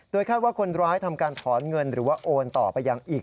คาดว่าคนร้ายทำการถอนเงินหรือว่าโอนต่อไปยังอีก